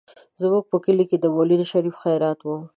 زموږ په کلي کې د مولود شريف خيرات و.